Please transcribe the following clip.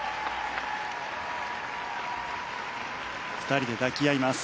２人で抱き合います。